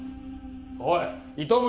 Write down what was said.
おい糸村。